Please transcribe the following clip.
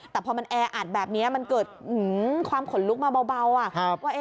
แต่พอมันแออัดแบบนี้มันเกิดความขนลุกมาเบาว่า